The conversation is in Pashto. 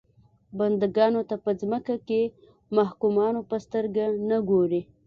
بنده ګانو ته په ځمکه کې محکومانو په سترګه نه ګوري.